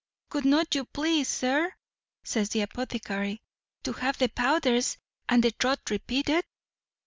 "Would not you please, sir," says the apothecary, "to have the powders and the draught repeated?"